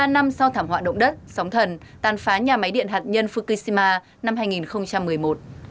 ba năm sau thảm họa động đất sóng thần tàn phá nhà máy điện hạt nhân fukushima năm hai nghìn một mươi một